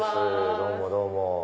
どうもどうも。